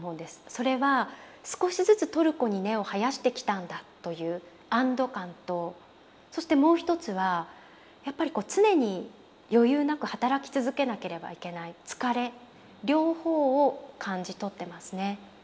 それは少しずつトルコに根を生やしてきたんだという安堵感とそしてもう一つはやっぱり常に余裕なく働き続けなければいけない疲れ両方を感じ取ってますね。